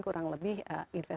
kurang lebih investasi yang banyak